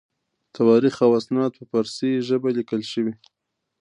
تواریخ او اسناد په فارسي ژبه لیکل شوي.